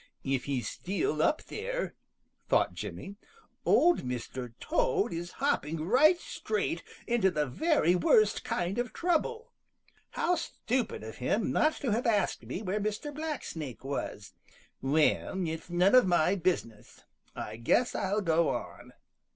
"If he's still up there," thought Jimmy, "Old Mr. Toad is hopping right straight into the very worst kind of trouble. How stupid of him not to have asked me where Mr. Blacksnake was! Well, it's none of my business. I guess I'll go on."